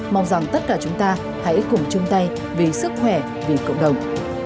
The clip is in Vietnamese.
mong rằng tất cả chúng ta hãy cùng chung tay vì sức khỏe vì cộng đồng